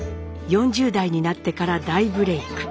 ４０代になってから大ブレイク。